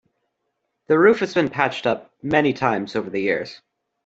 The roof has been patched up many times over the years.